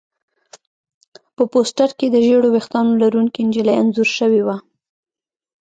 په پوسټر کې د ژېړو ویښتانو لرونکې نجلۍ انځور شوی و